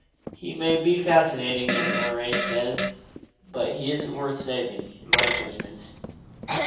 He may be fascinating, as Lorraine says, but he isn't worth saving, in my judgments.